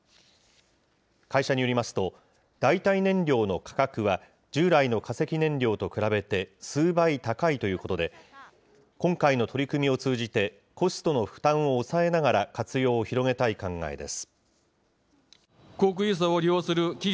会社によりますと、代替燃料の価格は、従来の化石燃料と比べて数倍高いということで、今回の取り組みを通じてコストの負担を抑えながら、活用を広げたい考えです。